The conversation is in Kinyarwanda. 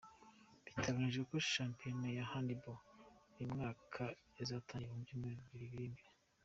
Biteganyijwe ko shampiyona ya handball y’uyu mwaka izatangira mu byumweru bibiri biri imbere.